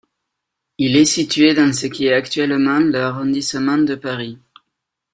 Il est situé dans ce qui est actuellement le arrondissement de Paris.